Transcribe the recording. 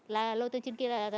lôi tôi trên kia